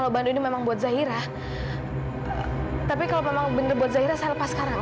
makanya anak saya mau memberikan bando itu pada kamu